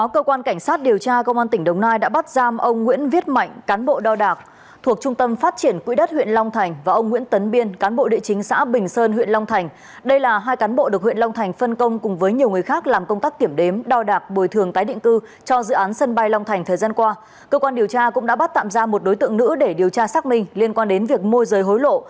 cơ quan điều tra cũng đã bắt tạm ra một đối tượng nữ để điều tra xác minh liên quan đến việc môi rời hối lộ